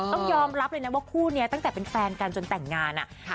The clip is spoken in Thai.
ต้องยอมรับเลยนะว่าคู่นี้ตั้งแต่เป็นแฟนกันจนแต่งงาน